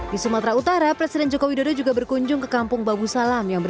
di sumatera utara presiden jokowi dodo berkunjung ke kampung babu salam